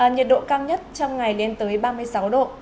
nhiệt độ cao nhất trong ngày lên tới ba mươi sáu độ